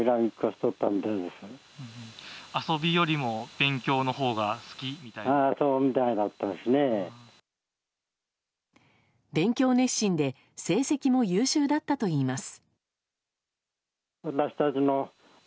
勉強熱心で成績も優秀だったといいます。